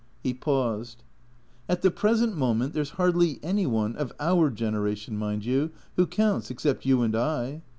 He paused. "At the present moment there's hardly any one — of our generation, mind you — who counts except you and I."